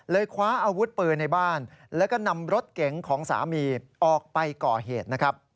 คว้าอาวุธปืนในบ้านแล้วก็นำรถเก๋งของสามีออกไปก่อเหตุนะครับ